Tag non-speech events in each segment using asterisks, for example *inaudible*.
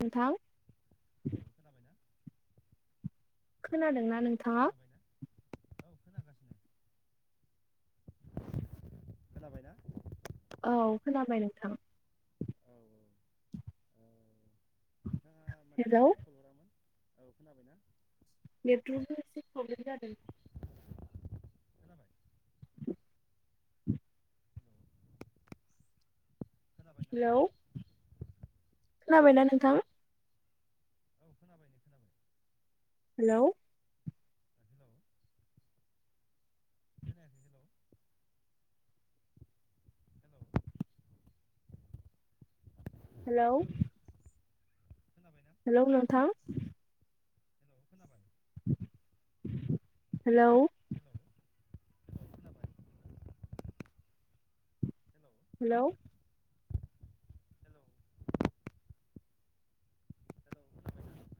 नोंथां औ खोनाबायना खोनादोंना नोंथाङा औ खोनागासिनो खोनाबाय औ खोनाबाय नोंथां औ नोंथाङा मानि हेलौ थाखाय कल हरामोन? औ खोनाबायना? नेटवर्कआव एसे प्रब्लेम जादों हेलौ खोनाबायना नोंथां औ खोनाबाय नै खोनाबाय हेलौ हेल' खोनायाखै हेल' हेल' हेल' हेलौ नोंथां हेल' खोनाबाय हेल' हेल'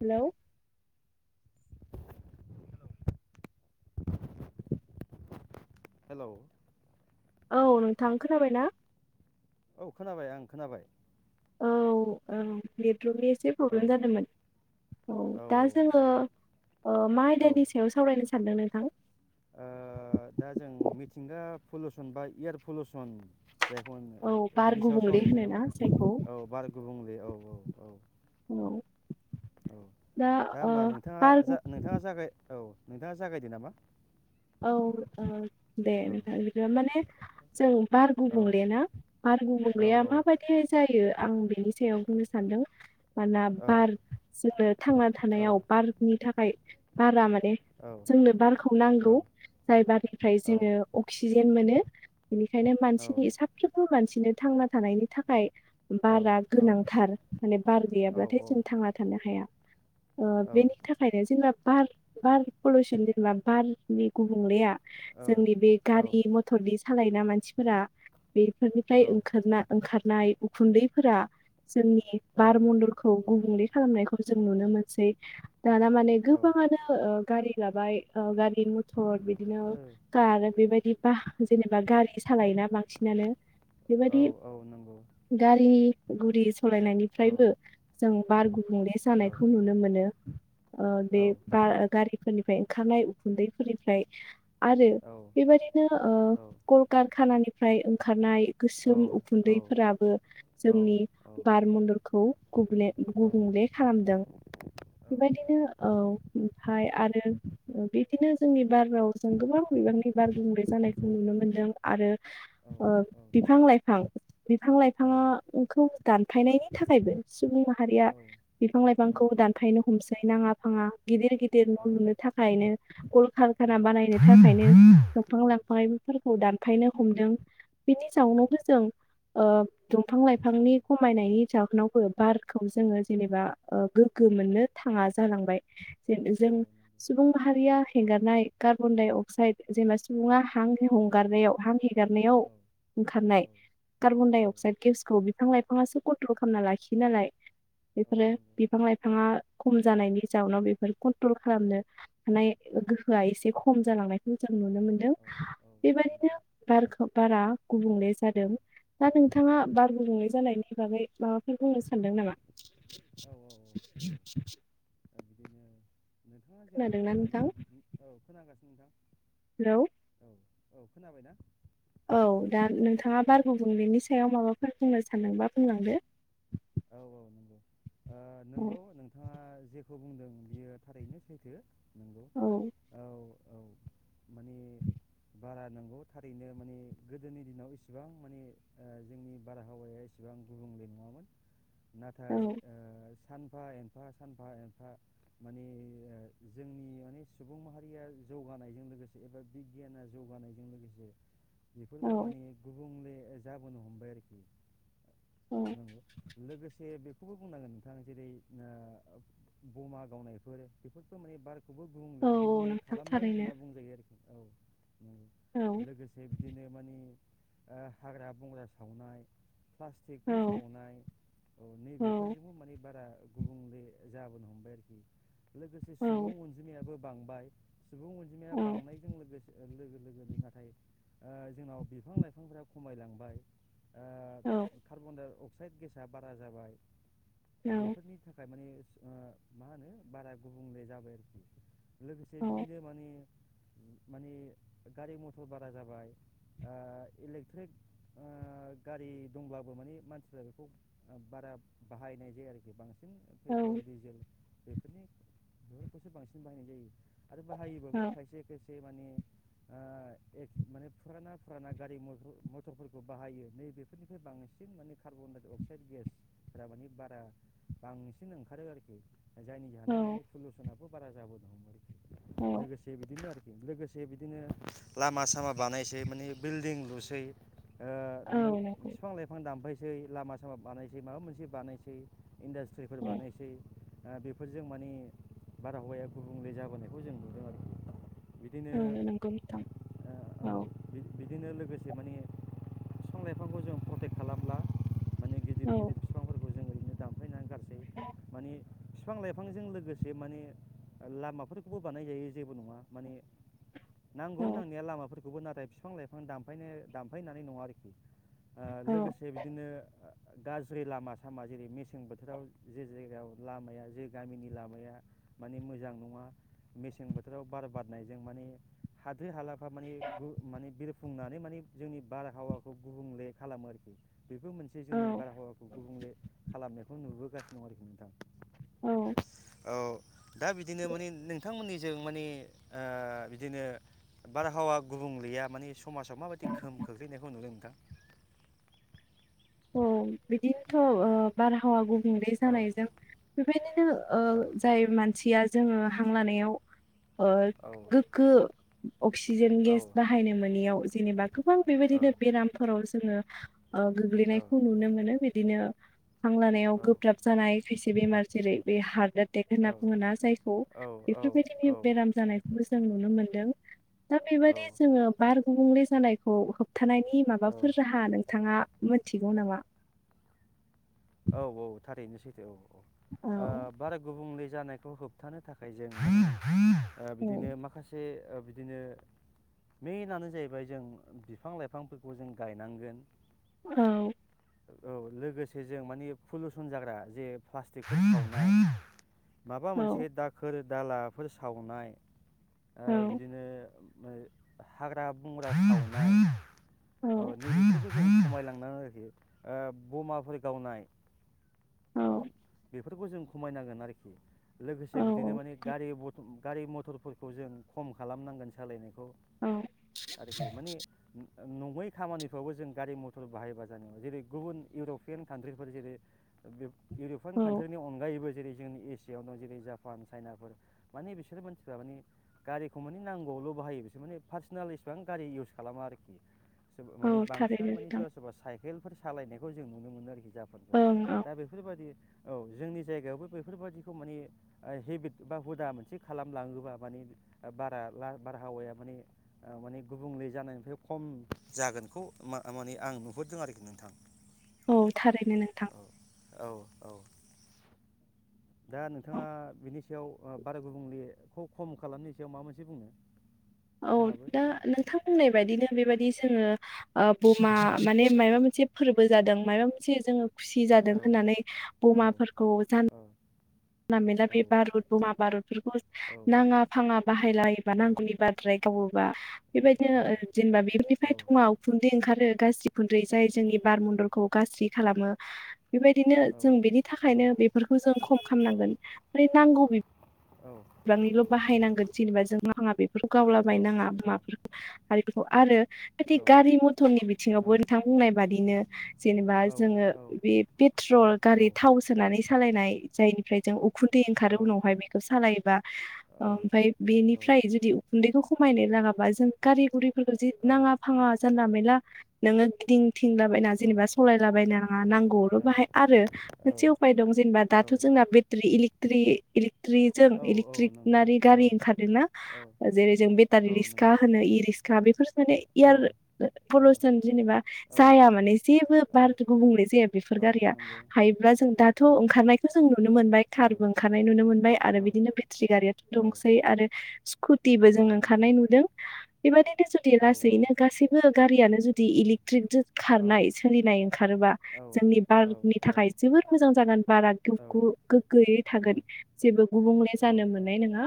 हेल' *inaudible* हेल' औ नोंथां खोनाबाय ना औ खोनाबाय आं खोनाबाय औ औ ने ट्रकनि एसे औ प्रब्लेम जादोंमोन औ दा जोङो मा ओ औ आयदानि सायाव सावरायनो सानदों नोंथां दा जों मिथिंगा पलुसन बा एयार पलुसन जायखौ औ *unintelligible* बार बिनि सायाव गुबुंले सावरायसै नामा होनोना जायखौ औ बार गुबुंले औ औ औ औ औ दा होमबा नोंथाङा बार गु जा नोंथाङा जागाय औ नोंथाङा जागायदो नामा औ दे औ नोंथां बिदिबा माने जै बार औ गुबुंलेना बार औ गुबुंलेया माबायदिहै जायो आं बिनि सायाव बुंनो सानदों मानोना औ बार जोङो थांना औ थानायाव बारनि थाखाय बारा माने औ *unintelligible* जोंनो बारखौ नांगौ जाय बारिनिफ्राय जोङो अक्सिजेन *unintelligible* मोनो बेनिखायनो मानसिनि साफ्रोमबो मानसिनो थांना थानायनि थाखाय बारा औ गोनांथार माने बार गैयाब्लाथाय जों थांना थानो हाया बेनि थाखायनो *unintelligible* बार बार पलिउसन जेनबा बार बे गुबुंलेया जोंनि बे गारि मथर सालायोना मानसिफोरा बेफोरनिफ्राय ओंखारना ओंखार नाय उखुन्दैफोरा जोंनि औ बार मन्दलखौ गुबुंले खालामनायखौ जों नुनो मोनसै दाना माने गोबाङानो गारि लााबाय गारि म तर बि दिनो कार बेबायदि बा जेनेबा गारि सालायोना बांसिनानो औ बेबायदि औ नंगौ गारि गुरिस औ सालायनायनिफ्रायबो जों बार गुबुंले औ जानायखौ नुनो मोनो। ओ औ बे गा-गारि सोरनिफ्राय ओंखारनाय उखुन्दै निफ्राय आरो बेबायदिनो कलकारखानानि ओमफ्राय ओंखारनाय गोसोम उखुन्दैफोराबो जोंनि बार मन्दलखौ गुबुले गुबुंले खालामदों। बेबायदिनो औ ओमफ्राय आरो बिदिनो जोंनि बार रावजों गोबां बिबांनि बार गुबुंले जानायखौ नुनो मोन्दों आरो बिफां लाइफां बिफां लाइफाङा ओं दानफायनायनि थाखायबो सुबुं माहारिया बिफां लाइफांखौ दानफायनो हमसै। नाङा फाङा गिदिर गि देरनाय लुनो थाखायनो *inaudible* खारखाना बानायनो थाखायनो दंफां लाइफां फोरखौ दानफायनो हमदों बेनि जाउनावनो जों दंफां लाइफांनि खमायनायनि जाहोनावबो बार खौ जोङो जेनेबा मोननो *unintelligible* थाङा जालांबाय जे जों सुबुं माहारिया हेंगारनाय कार्बन डाइ अक्साइद जेनबा सुबुङा हां हगारनायाव हां हेगारनायाव ओंखारनाय कार्बन डाइ अक्साइड गेसखौ बिफां लाइफाङासो कन्ट्रल खालामना लाखियो नालाय बेफोरो नंगौ बिफां लाइफाङा खम जानायनि जाउनाव बेफोर कन्ट्रल खालामनो हानाय औ गोहोआ एसे खम जालांनायखौ जों नुनो मोनदों औ नंगौ औ नंगौ बेबायदिनो बारखौ बारा गुबुंले औ जादों दा नोंथाङा बार गुबुंले जानायनि हि *unintelligible* बागै माबाफोर बुंनो सानदों नामा औ औ औ औ दा बिदिनो *inaudible* नोंथाङा जेरै खोनादोंना नोंथां बुंदों औ खोनागासिनो नोंथां हेलौ औ औ खोनाबायना? औ दा नोंथाङा औ बार गुबुंनाय बेनि सायाव माबा फोर बुंनो सानदोंबा बुंलांदो। औ औ नंगौ औ नोंगौ नोंथाङा जे बेखौ बुंदों बियो थारैनो सैथो नंगौ औ औ औ माने बारा नंगौ थारैनो माने गोदोनि दिनाव इसेबां माने जोंनि बारहावाया एसेबां गुबुंले नङामोन। नाथाय औ ओ सानफा एनफा सानफा एनफा माने जोंनि माने सुबुं माहारिया जौगानायजों लोगोसे एबा बिगियाना जौगानायजों लोगोसे बेफोरबो औ माने गुबुंले जाबोनो हमबाय आरोखि औ नंगौ लोगोसे बेखौबो बुंनांगोन नोंथां जेरै ब'मा गावनायफोर बेफोरखौ माने बार खौ गुबुंले औ गुबुंले नोंथां खालामदों थारैनो होनना बुंजायो आरोखि। औ औ लोगोसे बिदिनो मानि हाग्रा बंग्रा सावनाय प्लास्टिकफोर औ सावनाय औ औ नैबेफोरजोंबो माने बारा गुबुंले जाबोनो हमबाय आरोखि। लोगोसे औ सुबुं अनजिमाया बो बांबाय सुबुं अनजिमाया औ बांनायजों लोगोसे लोगो लोगोनो नाथाय ओ जोंनाव बिफां लाइफांफोरा खमायलांबाय औ ओ कार्बन-डाइ-अक *unintelligible* बारा जाबाय औ बेफोरनि थाखाय माने मा होनो बारा गुबुंले जाबाय आरोखि। लोगोसे औ बिदिनो माने माने गारि मथर बारा जाबाय ओ इलेक्ट्रिक गारि दंब्लाबो मानिे मानसिफ्रा बेखौ बारा बाहायनाय जाया आरोखि बांसिन पेट्रल औ डिजेल बेफोरनि बेफोरखौसो बांसिन बाहायनाय जायो आरो बाहायोबाबो खायसे खायसे माने ओ माने फुराना फुराना गारि मथरफोरखौ बाहायो नै बेफोरनिफ्राय बांसिन माने कार्बन-डाइ-अक्साइड गेसफोरा मानि बारा बांसिन ओंखारो आरोखि जायनि जाहोनाव माने औ पलुसनाबो बारा जाबोदों औ लोगोसे बिदिनो आरो लोगोसे बिदिनो लामा सामा बानायसै माने बिल्डिं लुसै ओ औ नंगौ बिफां लाइफां दामफायसै दै लामा सामा बानायसै माबा मोनसे बानायसै इन्डासट्रिफोर औ बानायसै बेफोरजों माने बारहावाया गुबुंले जाबोनायखौ जों नुदों आरोखि बिदिनो औनो नोंगौ नोंथां औ बिदिनो लोगोसे माने बिफां लाइफांखौ जों प्रटेक्ट खालामब्ला माने गिदिर औ गिदिर बिफांफोरखौ जों ओरैनो दानफायनानै माने बिफां लाइफांजों लोगोसे माने लामाफोरखौबो बानायजायो जेबो नङा माने नांगौ औ नांनाया लामाफोर नाथाय बिफां लाइफां दामफाय दामफायनानै नङा आरोखि ओ औ लोगोसे बिदिनो गाज्रि लामा सामा जेरै मेसें बोथोराव जे जायगायाव लामाया जे गामिनि लामाया माने मोजां नङा मेसें बोथोराव बार बारनायजों माने हाद्रि हाला माने माने सुफुंनानै माने जोंनि बारहावाखौ गुबुंले खालामो आरोखि बेबो मोनसे जोंनि औ बारहावाखौ गुबुंले खालामनायखौ नुबोगासिनो दं आरोखि नोंथां। औ औ दा बिदिनो माने नोंथांमोननि जों माने बिदिनो बारहावा गुबुंलैया माने समाजाव माबायदि गोहोम खोख्लैनायखौ नुदों नोंथां। औ बिदिनोथ' बारहावा गु बुंले औ जानायजों बेबायदिनो औ जाय मानसिया जोङो हां लानायाव ओ औ गोगो अक्सिजेन औ गेस बाहायनो मोनैयाव जेनेबा गोबां बेबायदिनो बेरामफोराव जोङो ओ खौ नुनो मोनो बे बिदिनो हां लानायाव गोब्राब जानाय खायसे बेमार जेरै बे हारदोद होनना बुङोना जायखौ बेफोरबायदि बेराम जानायखौ मोजां नुनो मोनदों। दा बेबायदि जोङो बार गुबुंले जानायखौ होबथानायनि माबाफोर राहा नोंथाङा मोन थिगौ नामा? औ औ थारैनो सै‌ *inaudible* ओ औ बारा गुबुंले जानायखौ होबथानो थाखाय जों ओ औ बिदिनो माखासे ओ बिदिनो मेइनानो जाहैबाय जों बिफां लाइफांफोरखौ जों गायनांगोन। औ औ लोगोसे जों माने पलुसन जाग्रा जे प्लास्टिक *inaudible* माबा औ मोनसे दाखोर दालाफोर सावनाय ओ औ बिदिनो ओ हाग्रा बंग्रा सावनाय औ खमायलांना होहैयो ओ बमाफोर गावनाय औ बेफोरखौ जों खमायनांगोन आरोखि। लोगोसे बिदिनो औ माने गारि मथ गारि मथरफोरखौ जों खम खालामनांगोन सालायनाय खौ औ आरोखि माने नङै खामानिफ्रावबो जों गारि मथर बाहायबा जानाय नङा जेरै गुबुन इउरप पियान कानट्रिफोर जेरै बे इउरपपियान औ कान्ट्रिनि अनगायैबो जेरै जोंनि एसियायावनो जेरै जापान चाइनाफोर माने बिसोरो मानसिफ्रा माने गारिखौ मानि नांगौवावल' बाहायो बिसोर माने पार्सनेल इसिबां गारि इउस खालामा आरोखि। सोरबा औ माने थारैनो बांसिनानो माने नोंथां सोरबा सोरबा चाय हेलफोर सालायनायखौ जों नु नुनो मोनो आरोखि जाफोरखौ ओं औ दा बेफोरबादि औ जोंनि जायगायावबो बेफोरबादिखौ माने हेबिट बा हुदा मोनसे खालामलाङोबा माने बारा बारहावाया माने ओ माने गुबुंले जानायनिफ्राय खम जागोनखौ माने आं नुहरदों आरोखि नोंथां। औ थारैनो नोंथां। औ औ औ दा औ नोंथाङा बिनि सायाव ओ बार गुबुंलेखौ खम खालामनि सायाव माबा मोनसे बुंनो? औ नोंथाङाबो दा नोंथां बुंनाय बायदिनो बेबायदि जोङो ओ बमा माने माबा मोनसे फोरबो जादों मायबा मोनसे जोङो खुसि औ जादों होननानै औ बमाफोरखौ जान औ ला मेनला औ बे बारुद बमा बारुदफोरखौ औ नाङा फाङा बाहायला बायबा नांगौनि बारद्राय गावोबा बेबायदिनो औ ओ जेनेबा औ बेफोरनिफ्राय थङा उखुन्दै ओंखारो। गाज्रि उखुनदै जाय जोंनि बार मन्दलखौ गाज्रि खालामो। बेबायदिनो जों बेनि थाखायनो औ औ बेफोरखौ जों खम नांगोन फ्राय नांगौ गोबांनिबो बाहायनांगोन जेनेबा जों मा हाङा बे *unintelligible* फोरखौ गावला बायनोनाङा माफोरखौ आरो बेफोरखौ आरो खादि गारि मथरनि बिथिङावबो नोंथां बुंनाय बादिनो जेनेबा जोङो बे पेट्रल गारि थाव सोनानै सालायनाय जायनिफ्राय जों उ खुन्दै औ ओंखारो उनावहाय बेखौ सालायो ओमफ्राय बेनिफ्राय जुदि उखुन्दैखौ खमायनो लाङाबा जों गारि गुरि फोरखौ जे नाङा फाङा जानला मेनला नोङो गिदिं थिंलाबायना जेनेबा सालायलाबायना मा नांगौ आवल' बाहाय आरो मोनसे उफाय दं जेनेबा दा थ' जोंना बेटारि इलि ट्रि इलिक ट्रि जों औ नंगौ इलेक्ट्रिकनारि औ गारि ओंखारदों ना जेरै जों बेटारि औ नंगौ रिसका होनो इ रिसक का बेफोर माने औ एयार औ पलुसन जेनेबा औ जाया माने जेबो बार औ गुबुंले जाया बेफोर औ गारिया नंगौ हायोब्ला जों दाथ' औ ओंखारनाय जों नुनो मोनबाय औ कारबो ओंखारनाय नुनो मोनबाय आरो औ बिदिनो बेटारि गारियाथ' औ दंसै आरो स्कुटिबो जों औ नंगौ ओंखारनाय नुदों। बे बायदि जुदि औ औ लासैनो गासैबो गारियानो जु दि इलि ट्रिकजों औ खारनाय सोलिनाय ओंखारोबा जोंनि बारनि औ थाखाय जोबोर मोजां जागोन बारा गु गोग्गोयै थागोन जेबो गुबुंले जानो औ मोननाय नङा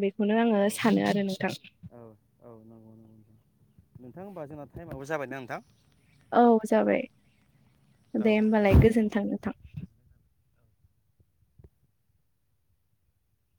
बेखौनो आङो औ सानो आरो नोंथां औ नंगौ नंगौ नोंथां होमबा जोंना टाइमआबो जाबायना नोंथां? औ जाबाय दे औ होमबालाय औ दे गोजोनथों नोथां